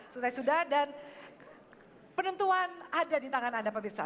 sudah sudah dan penentuan ada di tangan anda pak bitsa